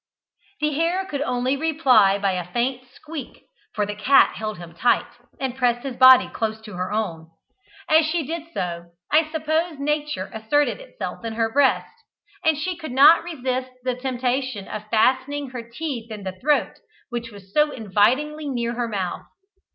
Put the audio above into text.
The hare could only reply by a faint squeak, for the cat held him tight, and pressed his body close to her own. As she did so, I suppose nature asserted itself in her breast, and she could not resist the temptation of fastening her teeth in the throat which was so invitingly near her mouth.